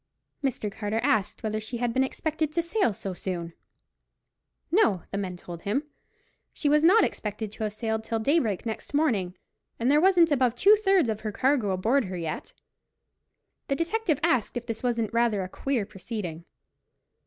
Mr. Carter asked whether she had been expected to sail so soon. No, the men told him; she was not expected to have sailed till daybreak next morning, and there wasn't above two thirds of her cargo aboard her yet. The detective asked if this wasn't rather a queer proceeding.